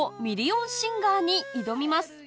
ミリオンシンガー』に挑みます